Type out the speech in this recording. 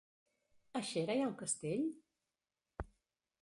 A Xera hi ha un castell?